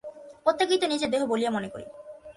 প্রত্যেকেই তো নিজেকে দেহ বলিয়া মনে করে।